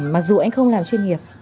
mặc dù anh không làm chuyên nghiệp